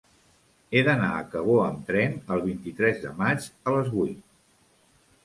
He d'anar a Cabó amb tren el vint-i-tres de maig a les vuit.